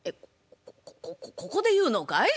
ここここで言うのかい？